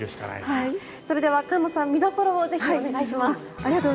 それでは菅野さん見どころをお願いします。